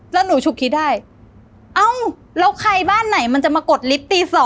แล้วหนูฉุกคิดได้เอ้าแล้วใครบ้านไหนมันจะมากดลิฟต์ตี๒